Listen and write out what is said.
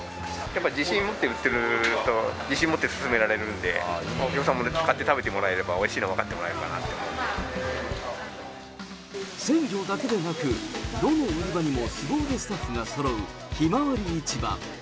やっぱり自信持って売ってると自信持って勧められるんで、お客さんも買って食べてもらえれば、おいしいの分かってもらえるかなっ鮮魚だけでなく、どの売り場にもすご腕スタッフがそろうひまわり市場。